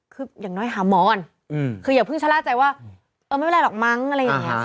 คืออย่างน้อยหาหมอนคืออย่าเพิ่งชะล่าใจว่าเออไม่เป็นไรหรอกมั้งอะไรอย่างนี้